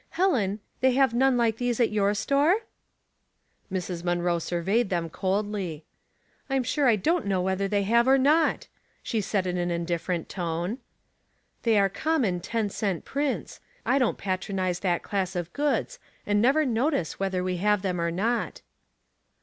Helen, they have none like these at your store ?" Mrs. Muiiroe surveyed them coldly. " I'm sure I don't know whether they have or not," she said, in an indifferent tone. ''They are common, ten cent prints. I don't patronize that class of goods, and never notice whether we have them or not."